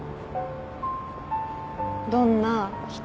どんな人？